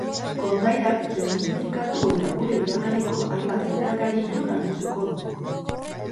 Kondairak desmitifikatu eta gure iraganeko hainbat gertakari ilun argituko ditu.